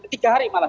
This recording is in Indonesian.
tiga hari malah